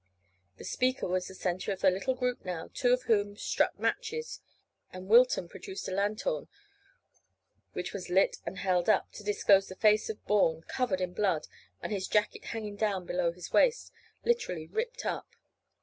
The speaker was the centre of a little group now, two of whom struck matches, and Wilton produced a lanthorn, which was lit and held up, to disclose the face of Bourne, covered with blood, and his jacket hanging down below his waist, literally ripped up.